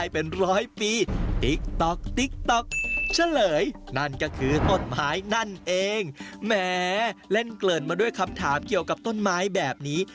เพื่อคำถามเกี่ยวกับต้นไม้แบบนี้